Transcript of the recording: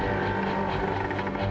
istirahat mu sendiri